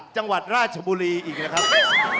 จังหวัดราชบุรีอีกนะครับ